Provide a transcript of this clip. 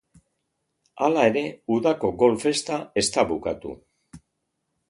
Hala ere, udako gol festa ez da bukatu.